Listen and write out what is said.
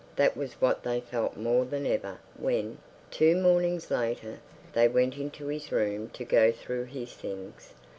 That was what they felt more than ever when, two mornings later, they went into his room to go through his things.